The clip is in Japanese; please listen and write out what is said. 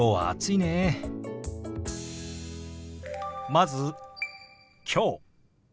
まず「きょう」。